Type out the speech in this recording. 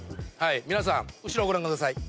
皆さん後ろをご覧ください。